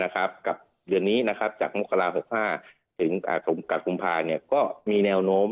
กับเดือนนี้จากมกรา๖๕ถึงกับกุมภาก็มีแนวโน้ม